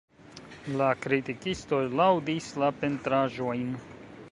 La kritikistoj laŭdis la pentraĵojn.